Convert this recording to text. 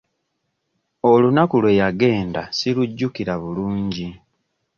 Olunaku lwe yagenda ssirujjukira bulungi.